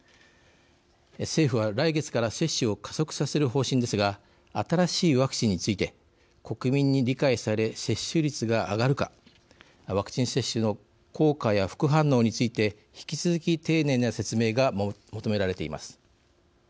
政府は、来月から接種を加速させる方針ですが新しいワクチンについて国民に理解され接種率が上がるかワクチン接種の効果や副反応について引き続き、丁寧な説明が求められています。